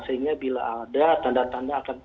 sehingga bila ada tanda tanda akan